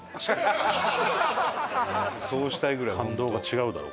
そうしたいぐらい。